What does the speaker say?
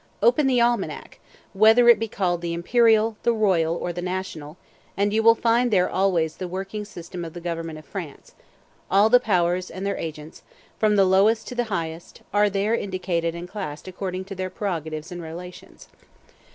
Open the Almanac, whether it be called the Imperial, the Royal, or the National, and you will find there always the working system of the government of France; all the powers and their agents, from the lowest to the highest, are there indicated and classed according to their prerogatives and relations.